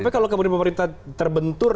tapi kalau kemudian pemerintah terbentur